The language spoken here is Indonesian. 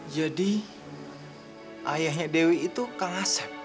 jadi ayahnya dewi itu kang asep